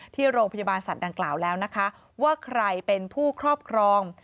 ที่โรงพยาบาลสัตว์ดังกล่าวแล้วนะคะว่าใครเป็นผู้ครอบครอง